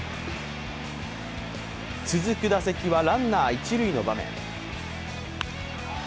続く打席はランナー一塁の場面。